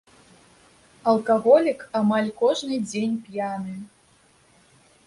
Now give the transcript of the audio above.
Алкаголік, амаль кожны дзень п'яны.